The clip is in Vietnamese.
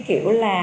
cái kiểu là